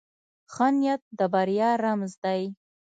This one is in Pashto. ښه نیت د بریا رمز دی.